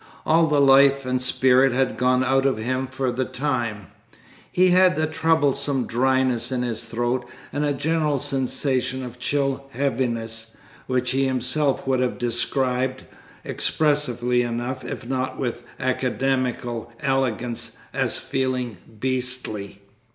All the life and spirit had gone out of him for the time; he had a troublesome dryness in his throat, and a general sensation of chill heaviness, which he himself would have described expressively enough, if not with academical elegance as "feeling beastly."